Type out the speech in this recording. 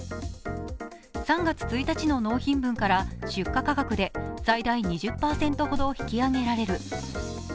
３月１日の納品分から出荷価格で最大２０％ほど引き上げられる。